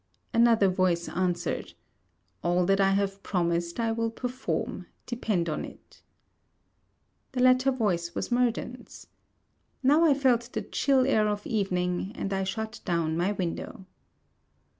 Another voice answered, 'All that I have promised I will perform, depend on it.' The latter voice was Murden's. Now I felt the chill air of evening, and I shut down my window.